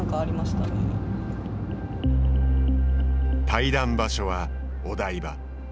対談場所は、お台場。